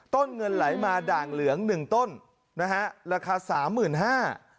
ต้นเงินไหลมาด่างเหลืองหนึ่งต้นนะฮะราคาสามหมื่นห้า